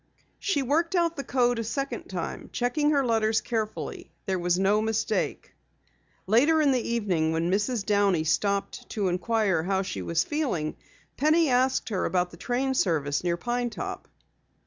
She worked out the code a second time, checking her letters carefully. There was no mistake. Later in the evening when Mrs. Downey stopped to inquire how she was feeling, Penny asked her about the train service near Pine Top.